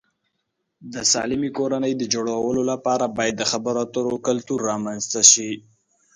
د سالمې کورنۍ د جوړولو لپاره باید د خبرو اترو کلتور رامنځته شي.